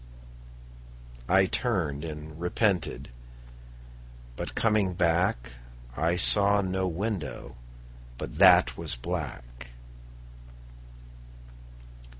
I turned and repented, but coming back I saw no window but that was black.